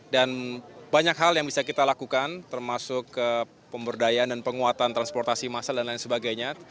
dan banyak hal yang bisa kita lakukan termasuk pemberdayaan dan penguatan transportasi masal dan lain sebagainya